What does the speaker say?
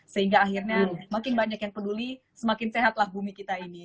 sehingga akhirnya makin banyak yang peduli semakin sehatlah bumi kita ini